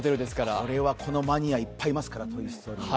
これはこのマニアいっぱいいますから、「トイ・ストーリー」は。